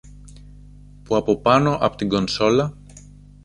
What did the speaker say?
που από πάνω από την κονσόλα